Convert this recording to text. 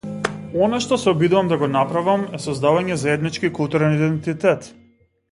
Она што се обидувам да го направам е создавање заеднички културен идентитет.